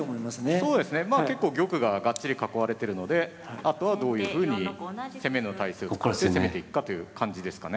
そうですねまあ結構玉がガッチリ囲われてるのであとはどういうふうに攻めの態勢をつくって攻めていくかという感じですかね。